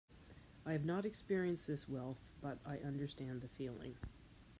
I have not experienced this wealth, but I understand the feeling.